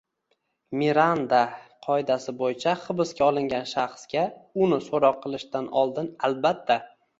Miranda qoidasi bo‘yicha hibsga olingan shaxsga uni so‘roq qilishdan oldin albatta: